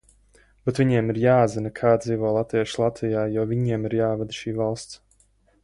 Bet viņiem ir jāzina, kā dzīvo latvieši Latvijā, jo viņiem ir jāvada šī valsts.